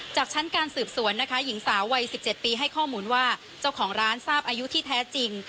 จากชั้นการสืบสวนนะคะหญิงสาววัย๑๗ปีให้ข้อมูลว่าเจ้าของร้านทราบอายุที่แท้จริง